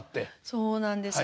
そうなんです。